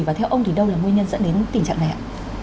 và theo ông thì đâu là nguyên nhân dẫn đến tình trạng này ạ